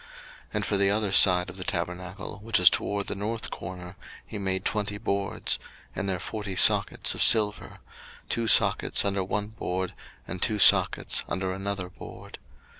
02:036:025 And for the other side of the tabernacle, which is toward the north corner, he made twenty boards, 02:036:026 And their forty sockets of silver; two sockets under one board, and two sockets under another board.